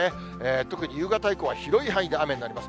特に夕方以降は広い範囲で雨になります。